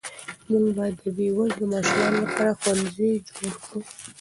موږ به د بې وزلو ماشومانو لپاره ښوونځي جوړ کړو.